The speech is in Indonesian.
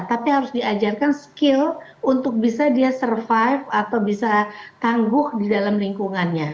tapi harus diajarkan skill untuk bisa dia survive atau bisa tangguh di dalam lingkungannya